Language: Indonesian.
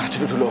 duduk dulu om